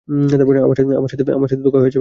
আমার সাথে ধোঁকা হয়েছে, বাবা!